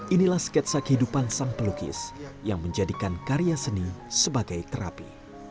inilah sketsa kehidupan sang pelukis yang menjadikan karya seni sebagai terapi